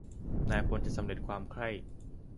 นายพลจะสำเร็จความใคร่.